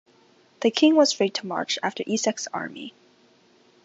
The King was free to march after Essex's army.